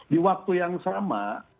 di waktu yang sama